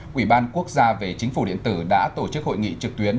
quỹ ban quốc gia về chính phủ điện tử đã tổ chức hội nghị trực tuyến